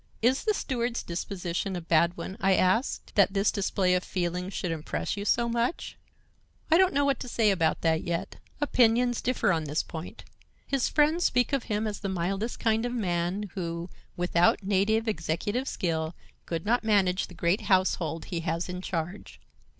"Is the steward's disposition a bad one." I asked, "that this display of feeling should impress you so much?" "I don't know what to say about that yet. Opinions differ on this point. His friends speak of him as the mildest kind of a man who, without native executive skill, could not manage the great household he has in charge.